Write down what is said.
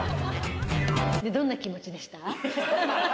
どんな気持ちでした？